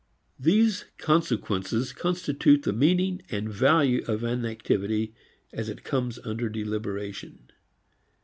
These consequences constitute the meaning and value of an activity as it comes under deliberation.